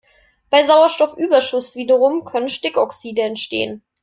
Bei Sauerstoffüberschuss wiederum können Stickoxide entstehen.